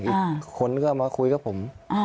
อีกคนก็มาคุยกับผม